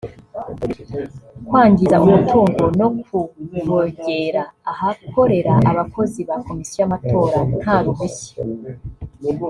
kwangiza umutungo no kuvogera ahakorera abakozi ba Komisiyo y’amatora nta ruhushya